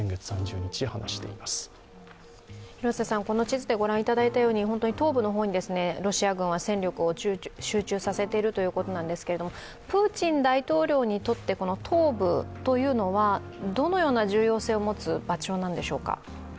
この地図で御覧いただいたように、東部の方にロシア軍は戦力を集中させているということですけれども、プーチン大統領にとって東部というのはどのような重要性を持つ場所なんでしょうか？